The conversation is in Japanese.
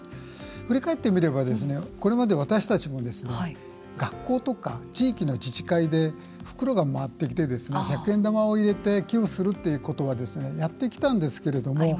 振り返ってみればこれまで私たちも学校や地域の自治体で袋が回ってきて、百円玉を入れて寄付するということはやってきたんですけれども。